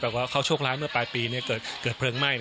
แต่ว่าเขาโชคร้ายเมื่อปลายปีเกิดเพลิงไหม้